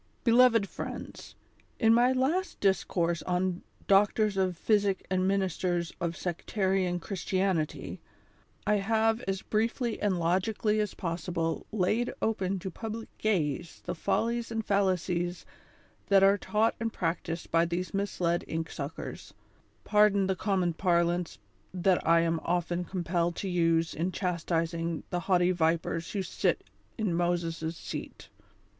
ELOYED FRIENDS :— In my last discourse on Doctors of Piiysic and Ministers of Sectarian Christianity, I have as briefly and logically as possible laid open to public gaze the follies and fallacies that are taught and practised by these misled ink suckers ; pardon the common parlance that I am often compelled to use in chastising the haughty vipers who sit in Moses' seat.